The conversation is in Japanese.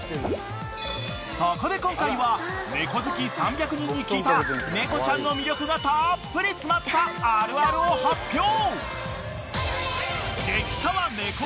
［そこで今回は猫好き３００人に聞いた猫ちゃんの魅力がたっぷり詰まったあるあるを発表！］